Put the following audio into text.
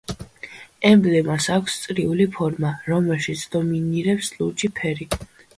ემბლემას აქვს წრიული ფორმა რომელშიც დომინირებს ლურჯი ფერი.